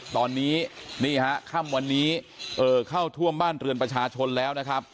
ตอนนี้นี่ฮะค่ำวันนี้เข้าท่วมบ้านเรือนประชาชนแล้วนะครับ